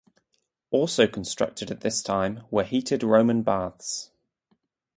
Also constructed at this time were heated Roman baths.